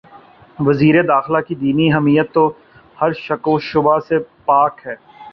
وزیر داخلہ کی دینی حمیت تو ہر شک و شبہ سے پاک ہے۔